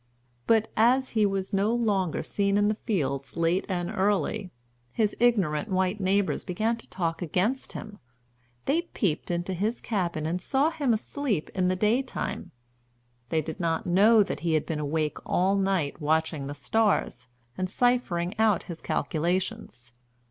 But, as he was no longer seen in the fields late and early, his ignorant white neighbors began to talk against him. They peeped into his cabin and saw him asleep in the daytime. They did not know that he had been awake all night watching the stars, and ciphering out his calculations.